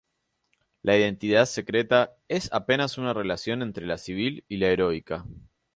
La identidad secreta es apenas una relación entre la civil y la heroica.